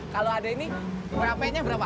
kalau ada ini wap nya berapa